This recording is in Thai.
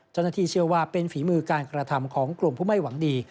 เจ้าหน้าที่เชื่อว่าเป็นฝีมือการกระทำของกลุ่มผู้ไม่หวังดี